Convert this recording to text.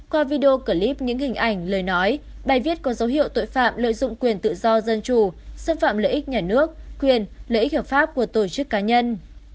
qua video clip những hình ảnh lời nói bài viết có dấu hiệu tội phạm lợi dụng quyền tự do dân chủ xâm phạm lợi ích nhà nước quyền lợi ích hợp pháp của tổ chức cá nhân